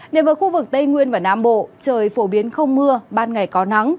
nếu với khu vực tây nguyên và nam bộ trời phổ biến không mưa ban ngày có nắng